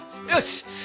よし！